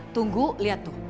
tunggu lihat tuh